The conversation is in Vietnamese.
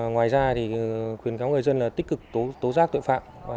ngoài ra thì khuyến cáo người dân là tích cực tố giác tội phạm